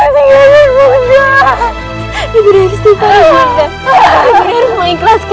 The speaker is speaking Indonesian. tidak tidak tidak